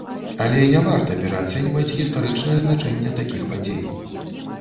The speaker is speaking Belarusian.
Але не варта пераацэньваць гістарычнае значэнне такіх падзей.